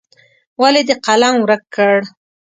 ولې دې قلم ورک کړ.